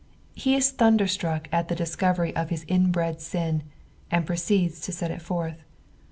Tie is thunderstruck at the discovery of his inbred sin, and proceeds to set it forth.